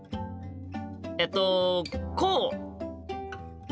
えっとこう？